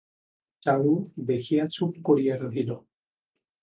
চারু দেখিয়া চুপ করিয়া রহিল।